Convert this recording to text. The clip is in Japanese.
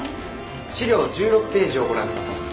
資料１６ページをご覧ください。